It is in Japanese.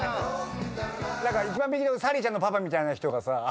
何か一番右のサリーちゃんのパパみたいな人がさ。